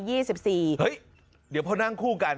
เฮ้ยเดี๋ยวพอนั่งคู่กัน